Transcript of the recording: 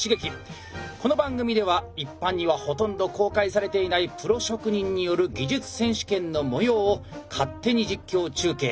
この番組では一般にはほとんど公開されていないプロ職人による技術選手権の模様を勝手に実況中継。